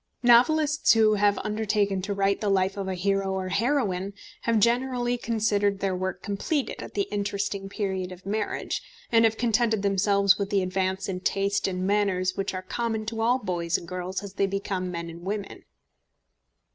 Novelists who have undertaken to write the life of a hero or heroine have generally considered their work completed at the interesting period of marriage, and have contented themselves with the advance in taste and manners which are common to all boys and girls as they become men and women.